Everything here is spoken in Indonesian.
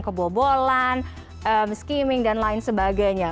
kebobolan skimming dan lain sebagainya